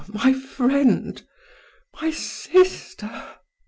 my friend! my sister!"